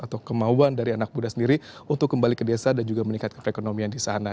atau kemauan dari anak muda sendiri untuk kembali ke desa dan juga meningkatkan perekonomian di sana